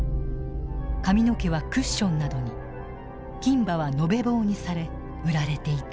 髪の毛はクッションなどに金歯は延べ棒にされ売られていた。